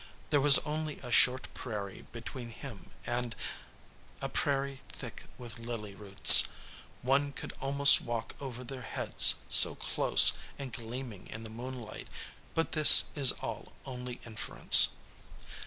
There was only a short prairie between him and , a prairie thick with lily roots one could almost walk over their heads, so close, and gleaming in the moonlight. But this is all only inference.